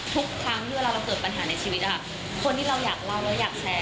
ทุกครั้งที่เราเกิดปัญหาในชีวิตทนิดหนึ่งจะอยากบอกได้